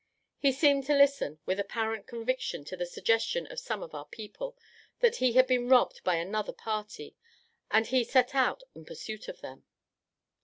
He seemed to listen with apparent conviction to the suggestion of some of our people, that he had been robbed by another party, and he set out in pursuit of them.